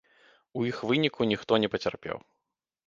У іх выніку ніхто не пацярпеў.